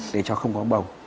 để cho không có bầu